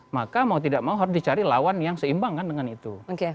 maka mau tidak mau harus dicari lawan yang seimbang kan dengan itu